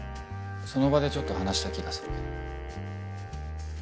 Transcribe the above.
その場でちょっと話した気がするけど。